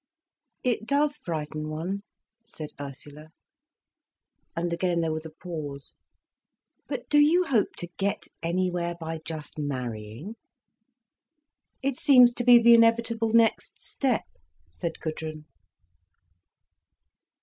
"It does frighten one," said Ursula, and again there was a pause. "But do you hope to get anywhere by just marrying?" "It seems to be the inevitable next step," said Gudrun.